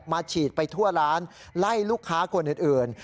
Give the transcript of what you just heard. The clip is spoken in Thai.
ฉีดไปทั่วร้านไล่ลูกค้าคนอื่น